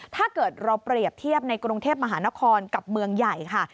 ถ้าเกิดเราเปรียบเทียบในกรุงเทพมหานครกับเมืองใหญ่ค่ะ